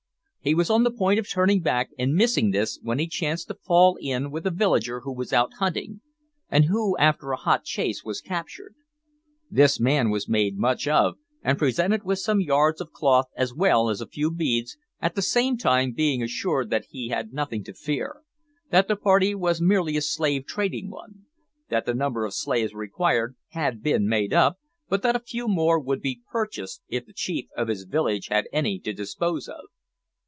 He was on the point of turning back and missing this when he chanced to fall in with a villager who was out hunting, and who, after a hot chase, was captured. This man was made much of, and presented with some yards of cloth as well as a few beads, at the same time being assured that he had nothing to fear; that the party was merely a slave trading one; that the number of slaves required had been made up, but that a few more would be purchased if the chief of his village had any to dispose of.